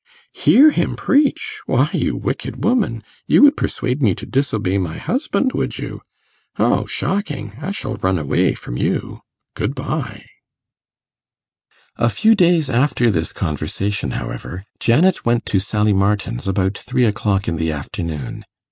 'Hear him preach! Why, you wicked woman, you would persuade me to disobey my husband, would you? O, shocking! I shall run away from you. Good bye.' A few days after this conversation, however, Janet went to Sally Martin's about three o'clock in the afternoon.